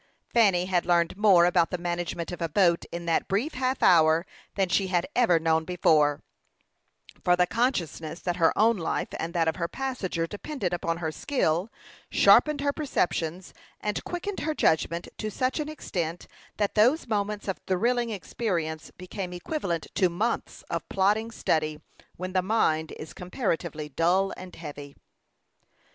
Fanny had learned more about the management of a boat in that brief half hour than she had ever known before, for the consciousness that her own life and that of her passenger depended upon her skill, sharpened her perceptions and quickened her judgment to such an extent that those moments of thrilling experience became equivalent to months of plodding study when the mind is comparatively dull and heavy.